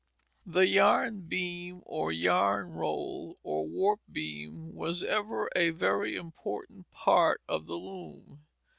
The yarn beam or yarn roll or warp beam was ever a very important part of the loom.